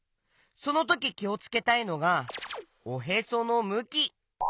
そのとききをつけたいのがおへそのむき。